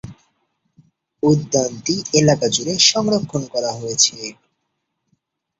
উদ্যানটি এলাকাজুড়ে সংরক্ষন করা হয়েছে।